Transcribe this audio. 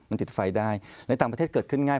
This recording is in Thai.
มันติดไฟได้ในต่างประเทศเกิดขึ้นง่าย